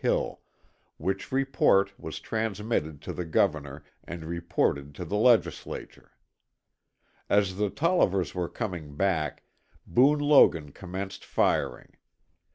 Hill, which report was transmitted to the Governor and reported to the Legislature. (See documents 1887, No. 23.) As the Tollivers were coming back, Boone Logan commenced firing.